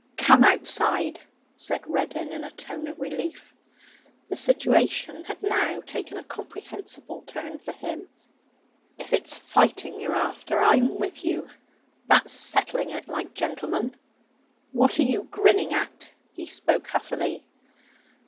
'Come outside,' said Reddin in a tone of relief. The situation had now taken a comprehensible turn for him. 'If it's fighting you're after, I'm with you; that's settling it like gentlemen. What are you grinning at?' He spoke huffily.